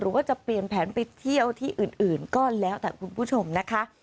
หรือว่าจะเปลี่ยนแผนไปเที่ยวที่อื่นก็แล้วแต่คุณผู้ชมนะคะ